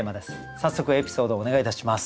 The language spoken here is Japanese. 早速エピソードお願いいたします。